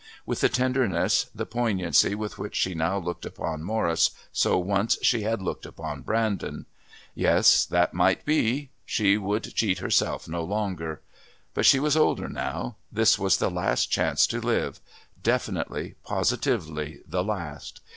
With the tenderness, the poignancy with which she now looked upon Morris so once she had looked upon Brandon. Yes, that might be. She would cheat herself no longer. But she was older now. This was the last chance to live definitely, positively the last.